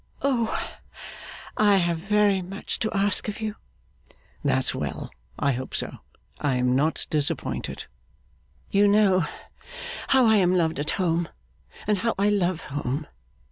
'Oh! I have very much to ask of you.' 'That's well! I hope so; I am not disappointed.' 'You know how I am loved at home, and how I love home.